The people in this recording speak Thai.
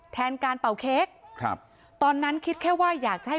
แทนการเป่าเค้กครับตอนนั้นคิดแค่ว่าอยากจะให้